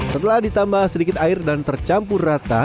setelah ditambah sedikit air dan tercampur rata